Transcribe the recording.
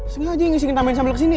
sengaja ingin tambahin sambel kesini ya